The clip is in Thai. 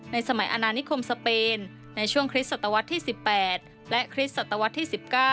สมัยอนานิคมสเปนในช่วงคริสตวรรษที่๑๘และคริสตวรรษที่๑๙